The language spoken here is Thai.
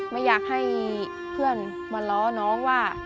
ไม่อยากให้เพื่อนมาล้อน้องว่า